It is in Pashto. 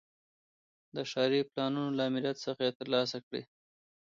د ښاري پلانونو له آمریت څخه ترلاسه کړي.